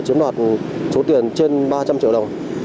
chiếm đoạt số tiền trên ba trăm linh triệu đồng